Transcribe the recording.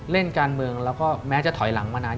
เล่นการเมืองแล้วก็แม้จะถอยหลังมานาน